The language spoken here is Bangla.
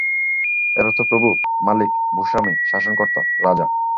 এর অর্থ প্রভু, মালিক, ভূস্বামী, শাসনকর্তা, রাজা।